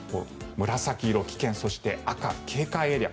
紫色、危険そして赤、警戒エリア